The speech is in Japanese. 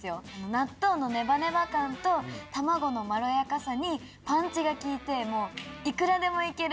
納豆のネバネバ感と卵のまろやかさにパンチが効いていくらでも行ける